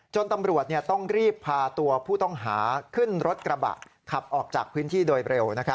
ตำรวจต้องรีบพาตัวผู้ต้องหาขึ้นรถกระบะขับออกจากพื้นที่โดยเร็ว